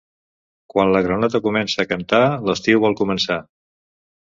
Quan la granota comença a cantar l'estiu vol començar.